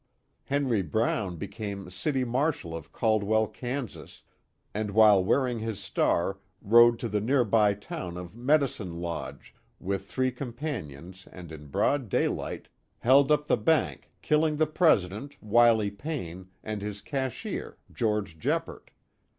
Henry Brown became City Marshal of Caldwell, Kansas, and while wearing his star rode to the nearby town of Medicine Lodge, with three companions and in broad day light, held up the bank, killing the president, Wiley Payne, and his cashier, George Jeppert.